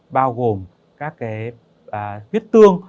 bao gồm các huyết tương